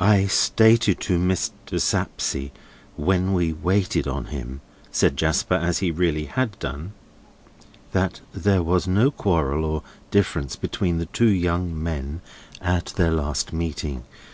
"I stated to Mr. Sapsea, when we waited on him," said Jasper: as he really had done: "that there was no quarrel or difference between the two young men at their last meeting.